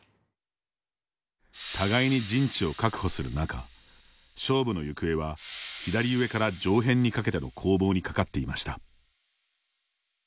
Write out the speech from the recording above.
互いに陣地を確保する中勝負の行方は左上から上辺にかけての攻防にかかっていました。